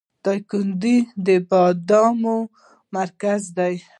دایکنډي د بادامو مرکز دی